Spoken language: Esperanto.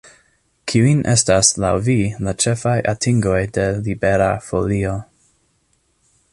Kiuj estas laŭ vi la ĉefaj atingoj de Libera Folio?